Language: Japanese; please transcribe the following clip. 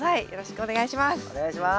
お願いします。